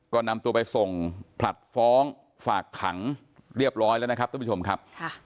ก็นำตัวไปส่งผลัดฟ้องฝากขังเรียบร้อยแล้วนะครับท่านผู้ชมครับ